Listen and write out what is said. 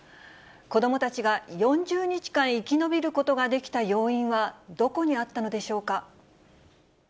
子どもたちが４０日間生き延びることができた要因は、どこにあったのでしょうか。